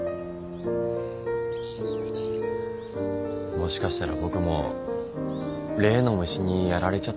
もしかしたら僕も例の虫にやられちゃったのかな。